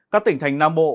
các tỉnh thành nam bộ